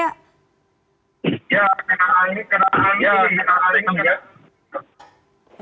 ya kena angin kena angin